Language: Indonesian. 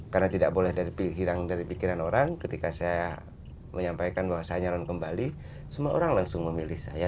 karena tidak boleh hilang dari pikiran orang ketika saya menyampaikan bahwa saya nyalon kembali semua orang langsung memilih saya